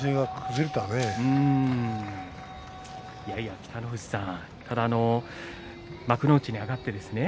いやいや、北の富士さん幕内に上がってですね。